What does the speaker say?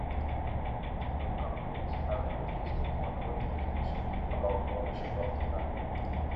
The two companies have engaged in ongoing litigation about ownership of the brand.